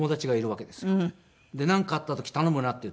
で「なんかあった時頼むな」って言って。